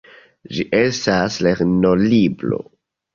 Ĝi estas lernolibro.